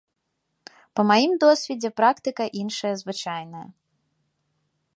Па маім досведзе практыка іншая звычайна.